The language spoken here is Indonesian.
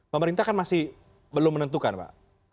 pemerintah kan masih belum menentukan pak